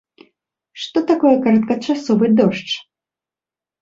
Што такое кароткачасовы дождж?